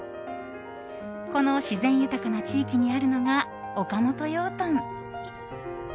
この自然豊かな地域にあるのが岡本養豚。